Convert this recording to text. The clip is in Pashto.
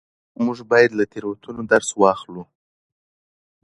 موږ بايد له تېروتنو درس واخلو.